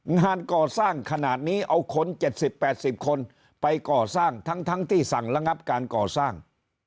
งานก่อสร้างขนาดนี้เอาคน๗๐๘๐คนไปก่อสร้างทั้งที่สั่งระงับการก่อสร้าง